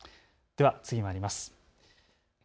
では次まいります。